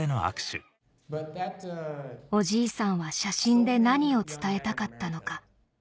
おじいさんは写真で何を伝えたかったのか